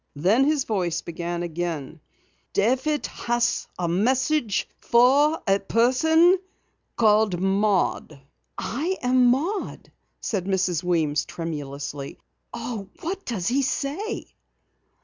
Then his voice began again: "David has a message for a person called Maud." "I am Maud," said Mrs. Weems tremulously. "Oh, what does he say?"